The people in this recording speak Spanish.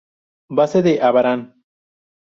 Base de Abarán.